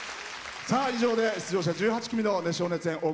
さあ以上で出場者１８組の熱唱・熱演